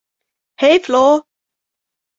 Hej Flo!